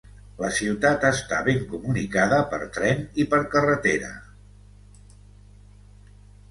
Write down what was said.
La ciutat està ben comunicada per tren i per carretera.